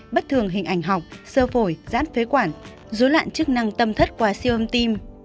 bất thường hình ảnh học sơ phổi giãn phế quản dối loạn chức năng tâm thất qua siêu âm tim